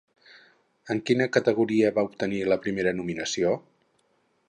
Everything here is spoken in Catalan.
En quina categoria va obtenir la primera nominació?